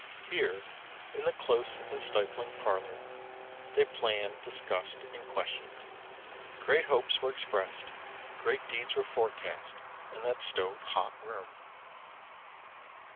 Here, in the close and stifling parlor, they planned, discussed, and questioned. Great hopes were expressed, great deeds were forecast, in that stove hot room.